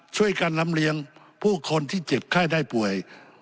ช่วยกันลำเลียงผู้คนที่เจ็บไข้ได้ป่วย